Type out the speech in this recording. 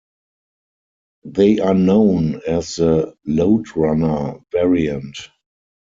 They are known as the "loadrunner" variant.